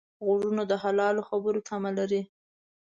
غوږونه د حلالو خبرو تمه لري